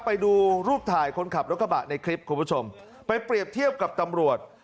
ไปดูรูปถ่ายคนขับรถกระบะในคลิปคุณผู้ชมไปเปรียบเทียบกับตำรวจ